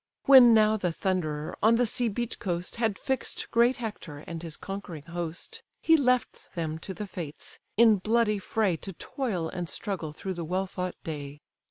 When now the Thunderer on the sea beat coast Had fix'd great Hector and his conquering host, He left them to the fates, in bloody fray To toil and struggle through the well fought day.